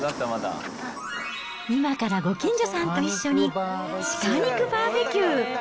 今からご近所さんと一緒に鹿肉バーベキュー。